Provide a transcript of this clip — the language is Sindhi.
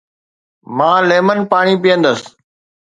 مان ليمن پاڻي پيئندس